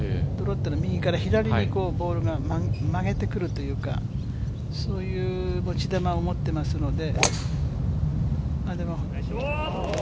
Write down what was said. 右から左にボールを曲げてくるというかそういう持ち球を持ってますので。